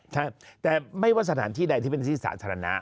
ใช่แต่ไม่ว่าสถานที่ใดที่เป็นที่สาธารณะ